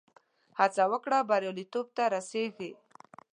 هڅه وکړه، بریالیتوب ته رسېږې.